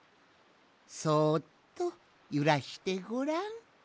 そっとゆらしてごらん。